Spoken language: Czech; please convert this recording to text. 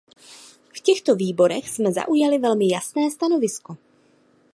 V těchto výborech jsme zaujali velmi jasné stanovisko.